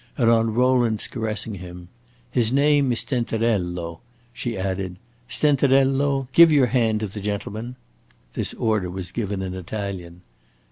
And on Rowland's caressing him: "His name is Stenterello," she added. "Stenterello, give your hand to the gentleman." This order was given in Italian.